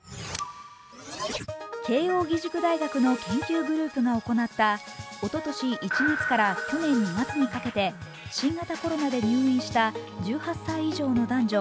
慶応義塾大学の研究グループが行ったおととし１月から去年２月にかけて、新型コロナで入院した１８歳以上の男女